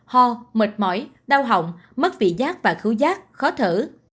ho mệt mỏi đau hỏng mất vị giác và cứu giác khó thở